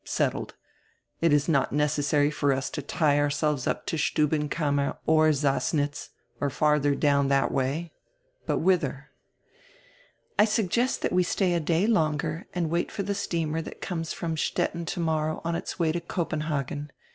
Setded. It is not necessary for us to tie ourselves up to Stuhhenkammer or Sassnitz or fardier down diat way. But whither?" "I suggest diat we stay a day longer and wait for die steamer diat conies from Stettin tomorrow on its way to Copenhagen.